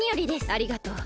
ありがとう。